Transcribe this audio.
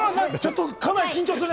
かなり緊張するね。